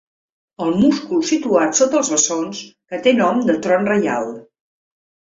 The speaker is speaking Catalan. El múscul situat sota els bessons que té nom de tron reial.